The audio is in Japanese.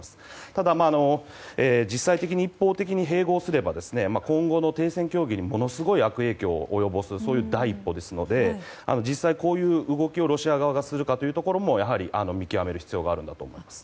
ただ、実際に一方的に併合すれば今後の停戦協議にものすごい悪影響を及ぼすそういう第一歩ですので実際、こういう動きをロシア側がするかも見極める必要があると思います。